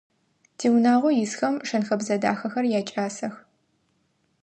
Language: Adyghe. Тиунагъо исхэм шэн-хэбзэ дахэхэр якӀасэх.